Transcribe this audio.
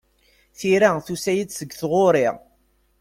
Tira tusa-yi-d seg tɣuri.